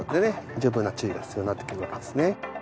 十分な注意が必要になってくるわけですね。